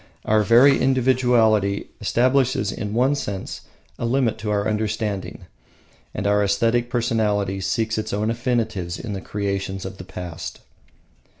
Our very individuality establishes in one sense a limit to our understanding; and our aesthetic personality seeks its own affinities in the creations of the past.